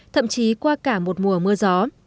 thậm chí qua cả một mùa mưa gió